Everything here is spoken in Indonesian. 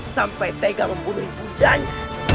sampai tega membunuh bundanya